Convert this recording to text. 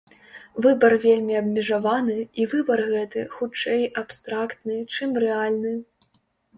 Выбар вельмі абмежаваны, і выбар гэты, хутчэй, абстрактны, чым рэальны.